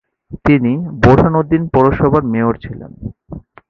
তিনি বোরহানউদ্দিন পৌরসভার মেয়র ছিলেন।